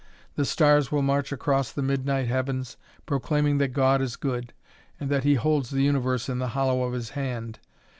The stars will march across the midnight heavens, proclaiming that God is good, and that He holds the universe in the hollow of His hand.